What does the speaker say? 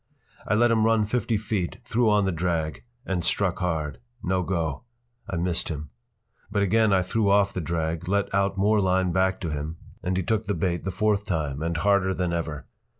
I let him run fifty feet, threw on the drag, and struck hard. No go! I missed him. But again I threw off the drag, let out more line back to him, and he took the bait the fourth time, and harder than ever.